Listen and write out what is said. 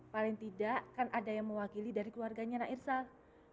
paling tidak kan ada yang mewakili dari keluarganya raisal